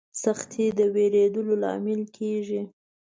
سختي د ودرېدو لامل کېږي.